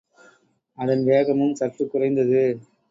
அதன் வேகமும் சற்றுக் குறைந்தது.